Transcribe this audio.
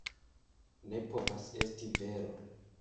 Ne povas esti vero!